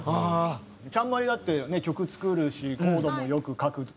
ちゃんＭＡＲＩだってね曲作るしコードもよく書くから。